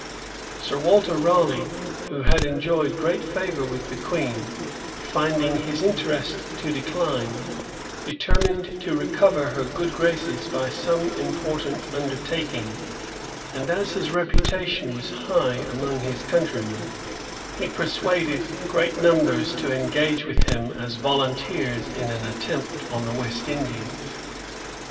Sir Walter Raleigh, who had enjoyed great favor with the queen, finding his interest to decline, determined to recover her good graces by some important undertaking; and as his reputation was high among his countrymen, he persuaded great numbers to engage with him as volunteers in an attempt on the West Indies.